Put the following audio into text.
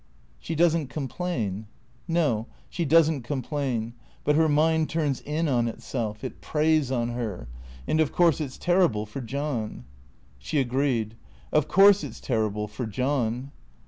" She does n't complain." " No. She does n't complain. But her mind turns in on it self. It preys on her. And of course it 's terrible for John." She agreed. " Of course, it's terrible — for John."